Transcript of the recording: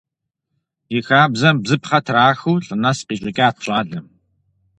И хабзэм бзыпхъэ трахыу лӀы нэс къищӀыкӀат щӀалэм.